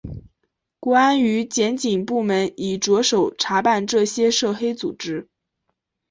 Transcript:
国安与检警部门已着手查办这些涉黑组织。